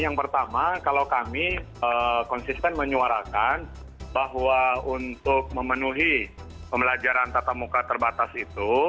yang pertama kalau kami konsisten menyuarakan bahwa untuk memenuhi pembelajaran tatap muka terbatas itu